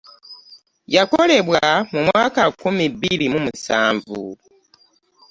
Yakolebwa mu mwaka nkumi bbiri mu musanvu